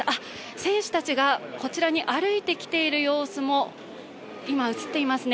選手たちがこちらに歩いてきている様子も今、映っていますね。